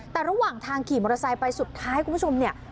แต่ระหว่างทางขี่มอเตอร์ไซค์ไปสุดท้ายคุณผู้ชมเนี่ย